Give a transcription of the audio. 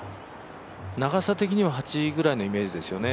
長さ的には８ぐらいのイメージですよね。